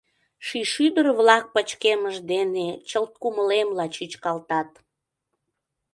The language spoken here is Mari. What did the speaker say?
Ший шӱдыр-влак пычкемыш дене чылт кумылемла чӱчкалтат.